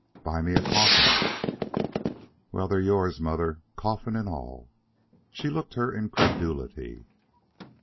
"Buy me a coffin." "Well, they're yours, mother, coffin and all." She looked her incredulity.